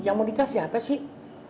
yang mau nikah siapa sih